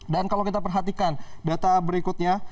dan kalau kita perhatikan data berikutnya